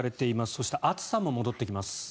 そして、暑さも戻ってきます。